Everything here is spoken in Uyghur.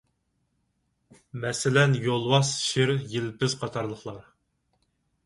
مەسىلەن: يولۋاس، شىر، يىلپىز قاتارلىقلار.